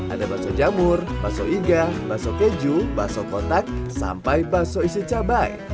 ada bakso jamur bakso iga bakso keju bakso kotak sampai bakso isi cabai